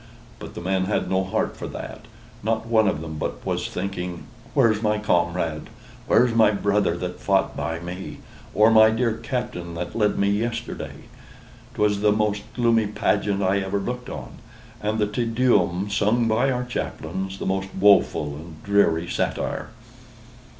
But the men had no heart for that: not one of them but was thinking, "Where's my comrade? where's my brother that fought by me, or my dear captain that led me yesterday?" 'Twas the most gloomy pageant I ever looked on; and the "Te Deum" sung by our chaplains, the most woful and dreary satire.